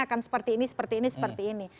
akan seperti ini seperti ini seperti ini